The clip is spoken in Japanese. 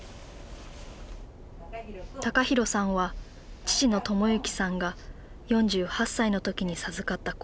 陽大さんは父の智之さんが４８歳の時に授かった子。